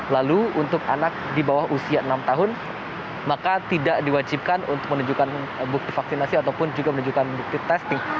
lalu untuk anak di bawah usia enam tahun maka tidak diwajibkan untuk menunjukkan bukti vaksinasi ataupun juga menunjukkan bukti testing